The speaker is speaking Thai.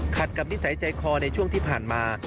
กับนิสัยใจคอในช่วงที่ผ่านมา